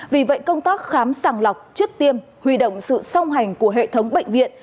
vì vậy công tác khám sàng lọc trước tiêm huy động sự song hành của hệ thống bệnh viện